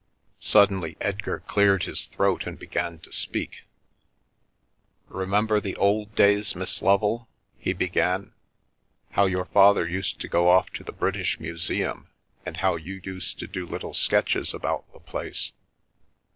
Suddenly Edgar cleared his throat and began to speak. Remember the old days, Miss Lovel ?" he began, how your father used to go off to the British Museum, and how you used to do little sketches about the place?